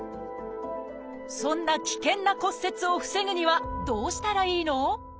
そんな危険な骨折を防ぐにはどうしたらいいの？